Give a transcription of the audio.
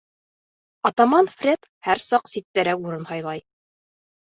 Атаман-Фред һәр саҡ ситтәрәк урын һайлай.